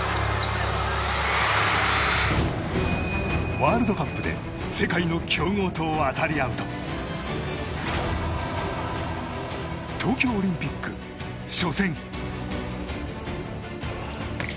ワールドカップで世界の強豪と渡り合うと東京オリンピック初戦。